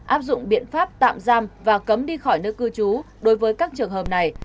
áp dụng biện pháp tạm giam và cấm đi khỏi nơi cư trú đối với các trường hợp này